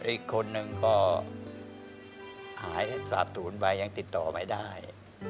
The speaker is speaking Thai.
อีกคนนึงก็หายสาบศูนย์ไปยังติดต่อไม่ได้